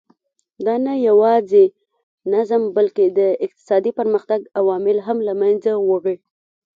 دا نه یوازې نظم بلکې د اقتصادي پرمختګ عوامل هم له منځه وړي.